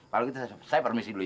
kalau gitu saya permisi dulu ya